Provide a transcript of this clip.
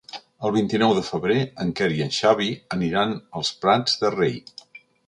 El vint-i-nou de febrer en Quer i en Xavi aniran als Prats de Rei.